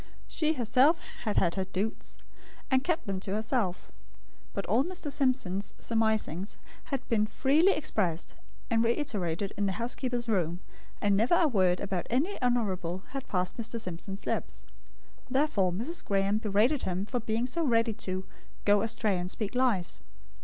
She herself had had her "doots," and kept them to herself; but all Mr. Simpson's surmisings had been freely expressed and reiterated in the housekeeper's room; and never a word about any honourable lead passed Mr. Simpson's lips. Therefore Mrs. Graem berated him for being so ready to "go astray and speak lies."